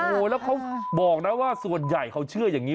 โอ้โหแล้วเขาบอกนะว่าส่วนใหญ่เขาเชื่ออย่างนี้